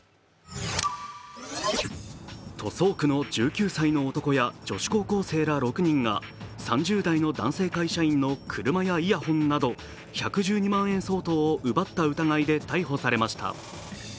塗装工の１９歳の男や女子高校生らが６人が３０代の男性会社員の車やイヤホンなど１１２万円相当を奪った疑いで逮捕されました。